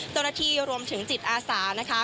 เจราะรถีรวมถึงจิตอาสานะคะ